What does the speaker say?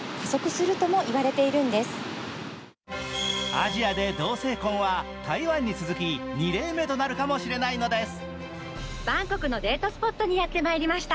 アジアで同性婚は台湾に続き２例目となるかもしれないのです。